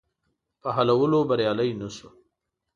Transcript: په حلولو بریالی نه شو.